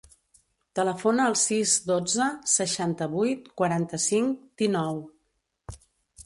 Telefona al sis, dotze, seixanta-vuit, quaranta-cinc, dinou.